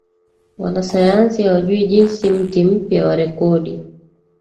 Wanasayansi hawajui Jinsi Mti mpya wa rekodi